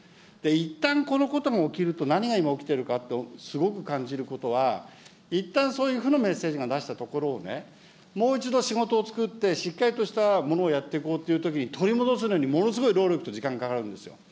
いったん、このことが起きると、何が今起きてるかと、すごく感じることは、いったん、そういう負のメッセージが出したところを、もう一度仕事をつくって、しっかりとしたものをやっていこうというときに取り戻すのに、ものすごい労力と時間がかかるんですよ。